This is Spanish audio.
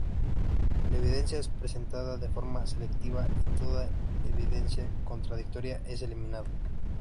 La evidencia es presentada de forma selectiva y toda evidencia contradictoria es eliminada".